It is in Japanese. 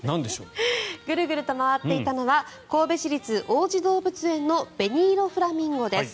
ぐるぐると回っていたのは神戸市立王子動物園のベニイロフラミンゴです。